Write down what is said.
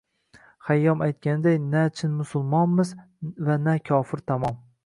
Xayyom aytganiday «na chin musulmonmiz va na kofir tamom».